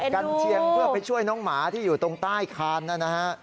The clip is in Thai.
กันเชียงเพื่อไปช่วยน้องหมาที่อยู่ตรงใต้คานนะฮะ